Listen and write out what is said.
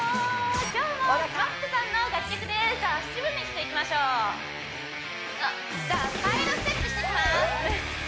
今日もＳＭＡＰさんの楽曲でじゃあ足踏みしていきましょうじゃあサイドステップしていきます